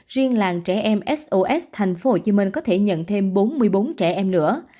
riêng làng trẻ em sos tp hcm có thể nhận thêm bốn mươi bốn trẻ em nữa